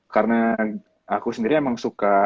karena aku sendiri emang suka